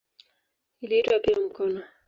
Iliitwa pia "mkono".